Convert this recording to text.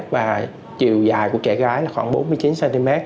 và chiều dài của trẻ gái là khoảng bốn mươi chín cm